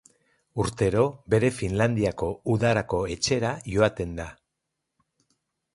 Urtero bere Finlandiako udarako etxera joaten da.